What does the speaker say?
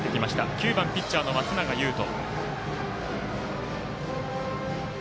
９番ピッチャーの松永優斗。